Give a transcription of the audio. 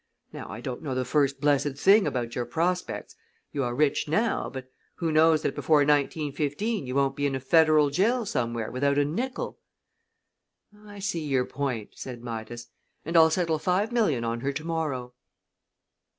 Now, I don't know the first blessed thing about your prospects. You are rich now, but who knows that before 1915 you won't be in a federal jail somewhere without a nickel?" "I see your point," said Midas, "and I'll settle five million on her to morrow."